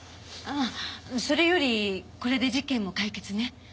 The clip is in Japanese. それよりこれで事件も解決ね。